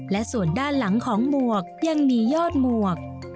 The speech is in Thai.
และส่วนด้านหลังของหมวกยังมียอดหมวก